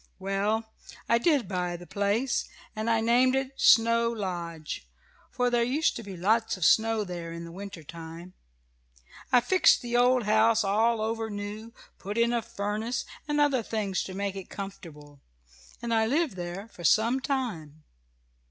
Well, I did buy the place, and I named it 'Snow Lodge,' for there used to be lots of snow there in the winter time. I fixed the old house all over new, put in a furnace, and other things to make it comfortable, and I lived there for some time.